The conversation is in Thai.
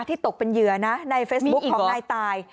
ตกเป็นเหยื่อนะในเฟซบุ๊คของนายตาย